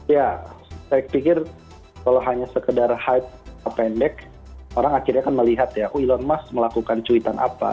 ya saya pikir kalau hanya sekedar hype pendek orang akhirnya kan melihat ya elon musk melakukan cuitan apa